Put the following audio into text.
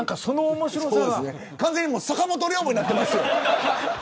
完全に坂本龍馬になってますよ。